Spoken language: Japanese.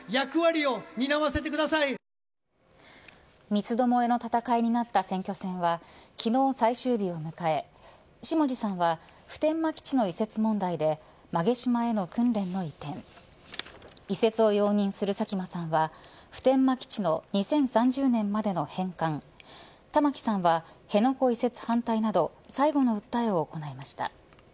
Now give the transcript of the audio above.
三つどもえの戦いとなった選挙戦は昨日、最終日を迎え下地さんは普天間基地の移設問題で馬毛島への訓練の移転移設を容認する佐喜真さんは普天間基地の２０３０年までの変換玉城さんは辺野古移設反対など最後の訴えを行いました。